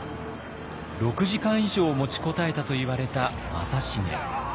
６時間以上持ちこたえたといわれた正成。